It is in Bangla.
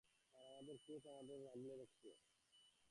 আর আমাদের কোচ আমাদের আগলে রেখেছে।